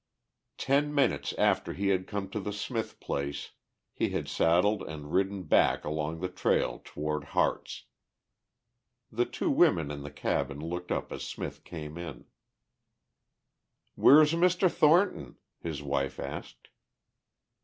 Ten minutes after he had come to the Smith place he had saddled and ridden back along the trail toward Harte's. The two women in the cabin looked up as Smith came in. "Where's Mr. Thornton?" his wife asked.